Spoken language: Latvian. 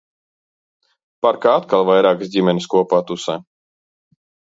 Parkā atkal vairākas ģimenes kopā tusē.